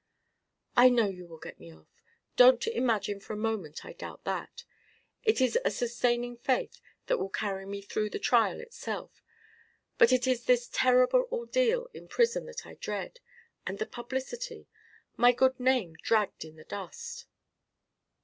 "I know you will get me off. Don't imagine for a moment I doubt that; it is a sustaining faith that will carry me through the trial itself. But it is this terrible ordeal in prison that I dread and the publicity my good name dragged in the dust."